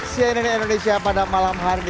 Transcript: cnn indonesia pada malam hari ini